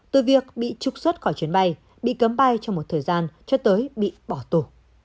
từ việc bị trục xuất khỏi chuyến bay bị cấm bay trong một thời gian cho tới bị bỏ tù